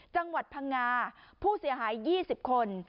จังหวัดพังงาผู้เสียหาย๒๐คน